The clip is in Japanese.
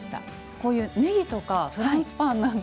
こういうねぎとかフランスパンなんか。